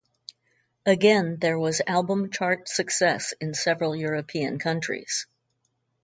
Again there was album chart success in several European countries.